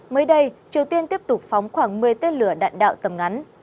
mới đây triều tiên tiếp tục phóng khoảng một mươi tên lửa đạn đạo tầm ngắn